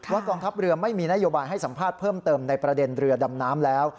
กองทัพเรือไม่มีนโยบายให้สัมภาษณ์เพิ่มเติมในประเด็นเรือดำน้ำแล้ว